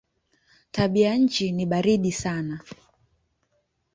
Tabianchi ni baridi sana.